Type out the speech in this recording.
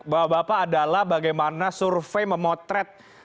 bapak bapak adalah bagaimana survei memotret